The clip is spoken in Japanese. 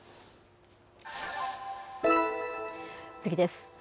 次です。